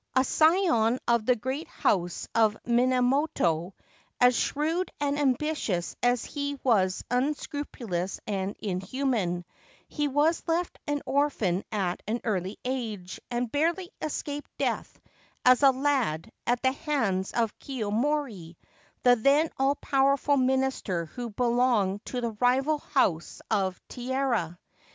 A scion of the great house of Minamoto, as shrewd and ambitious as he was unscrupulous and inhuman, he was left an orphan at an early age, and barely escaped death as a lad at the hands of Kiyomori, the then all powerful minister who belonged to the rival house of Taira.'